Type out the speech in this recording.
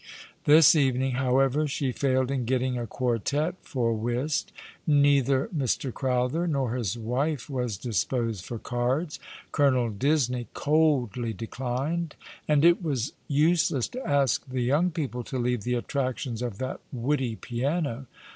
This evening, however, she failed in getting a quartette for whist. Neither Mr. Crowther nor his wife was disposed for cards; Colonel Disney coldly declined; and it was useless to ask the young people to leave the attractions of that woody piano.